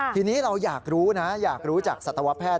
ทีนี้เราอยากรู้นะอยากรู้จากสัตวแพทย์